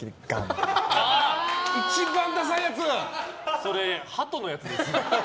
それハトのやつ。